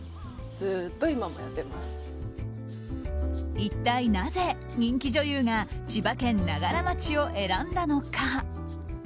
一体なぜ人気女優が千葉県長柄町を選んだのか。